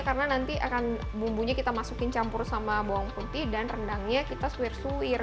karena nanti akan bumbunya kita masukin campur sama bawang putih dan rendangnya kita suwir suwir